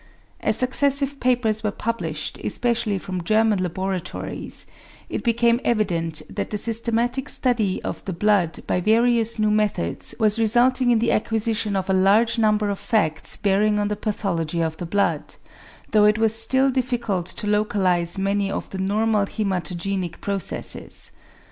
As successive papers were published, especially from German laboratories, it became evident that the systematic study of the blood by various new methods was resulting in the acquisition of a large number of facts bearing on the pathology of the blood; though it was still difficult to localise many of the normal hæmatogenetic processes.